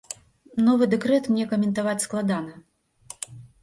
Новы дэкрэт мне каментаваць складана.